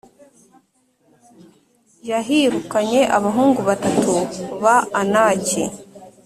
yahirukanye abahungu batatu ba Anaki.